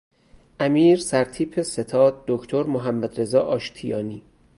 امیر سرتیپ ستاد دکتر محمد رضا آشتیانی